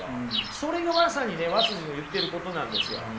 それがまさにね和の言ってることなんですよ。